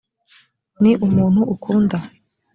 ni umuntu ukunda?